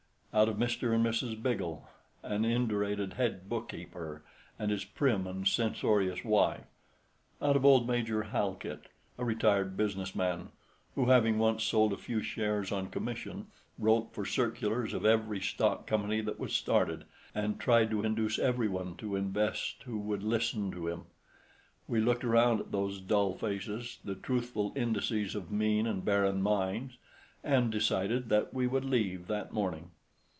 —out of Mr. and Mrs. Biggle, an indurated head bookkeeper and his prim and censorious wife—out of old Major Halkit, a retired business man, who, having once sold a few shares on commission, wrote for circulars of every stock company that was started, and tried to induce every one to invest who would listen to him? We looked around at those dull faces, the truthful indices of mean and barren minds, and decided that we would leave that morning.